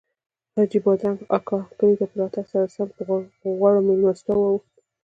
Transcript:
حاجي بادرنګ اکا کلي ته په راتګ سره سم پر غوړو میلمستیاوو واوښت.